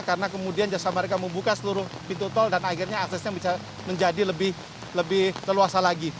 karena kemudian jasa mereka membuka seluruh pintu tol dan akhirnya aksesnya bisa menjadi lebih leluasa lagi